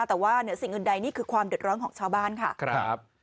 แต่ว่าเหนือสิ่งอื่นใดนี่คือความเดือดร้อนของชาวบ้านค่ะ